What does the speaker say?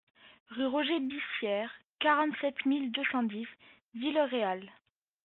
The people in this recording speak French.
Rue Roger Bissière, quarante-sept mille deux cent dix Villeréal